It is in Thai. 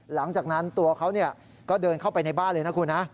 หลังจากนั้นตัวเขาก็เดินเข้าไปในบ้านเลยนะคุณนะ